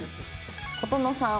琴之さん。